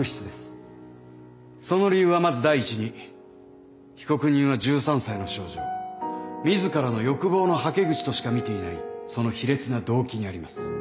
その理由はまず第１に被告人は１３歳の少女を自らの欲望のはけ口としか見ていないその卑劣な動機にあります。